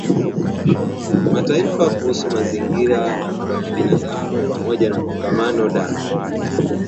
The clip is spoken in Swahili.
Mataifa Kuhusu Mazingira ya Kibinadamu pamoja na Kongamano la